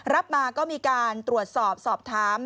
รับมาก็มีการตรวจสอบสอบถาม